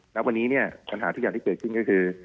แล้ววันนี้เนี่ยปัญหาที่เกิดขึ้นก็คือ